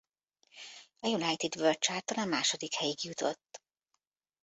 A United Wold Chart-on a második helyig jutott.